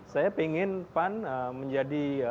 saya ingin pan menjadi